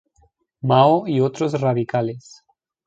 Mao y otros radicales.